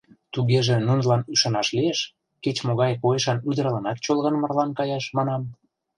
Тугеже, нунылан ӱшанаш лиеш, кеч-могай койышан ӱдырланат чолган марлан каяш, манам.